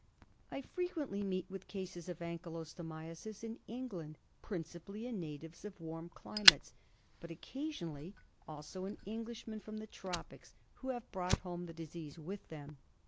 I frequently meet with cases of Ankylostomiasis in England, principally in natives of warm climates, but occasionally also in Englishmen from the tropics, who have brought home the disease with them.